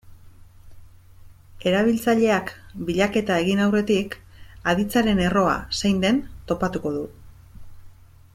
Erabiltzaileak bilaketa egin aurretik, aditzaren erroa zein den topatuko du.